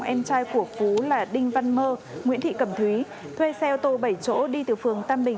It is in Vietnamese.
em trai của phú là đinh văn mơ nguyễn thị cẩm thúy thuê xe ô tô bảy chỗ đi từ phường tam bình